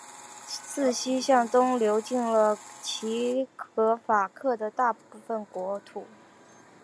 自西向东流经了斯洛伐克的大部分国土。